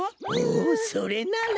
おそれなら！